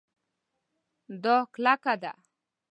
دا کلکه ده